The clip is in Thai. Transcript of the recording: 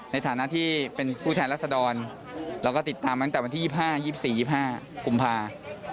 ในฐานะที่เป็นผู้แทนรัศดรเราก็ติดตามตั้งแต่วันที่๒๕๒๔๒๕กุมภา